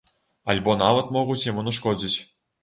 Альбо нават могуць яму нашкодзіць.